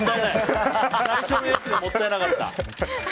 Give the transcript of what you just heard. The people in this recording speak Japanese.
最初のやつがもったいなかった。